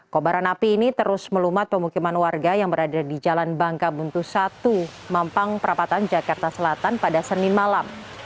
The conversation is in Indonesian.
kobaran api ini terus melumat pemukiman warga yang berada di jalan bangka buntu satu mampang perapatan jakarta selatan pada senin malam